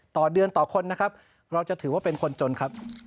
ต่อเดือนต่อคนนะครับเราจะถือว่าเป็นคนจนครับ